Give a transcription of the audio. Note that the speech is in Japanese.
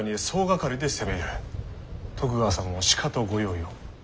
徳川様もしかとご用意を。